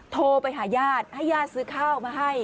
โทรไปหาญาติให้ญาติซื้อข้าวมาให้